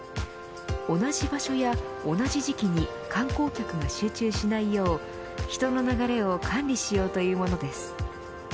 同じ場所や同じ時期に観光客が集中しないよう人の流れを管理しようというものです。